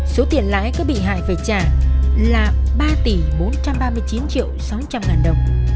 số tiền lãi các bị hại phải trả là ba tỷ bốn trăm ba mươi chín triệu sáu trăm linh ngàn đồng